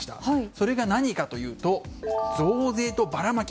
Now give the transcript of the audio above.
それが何かというと増税とバラマキ。